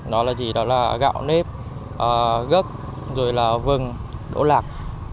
đó là gì đó là gạo nếp gớt rồi là vừng đỗ lạc